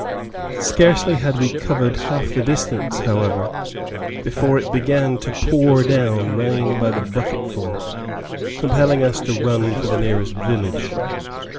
Scarcely had we covered half the distance, however, before it began to pour down rain by the bucketful, compelling us to run for the nearest village.